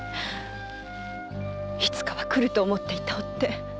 いつかは来ると思っていた追手。